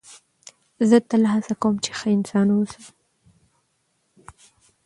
زه تل هڅه کوم، چي ښه انسان واوسم.